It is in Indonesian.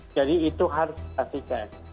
jadi itu harus dikatakan